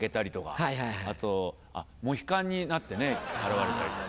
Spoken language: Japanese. あとあっモヒカンになってね現れたりとか。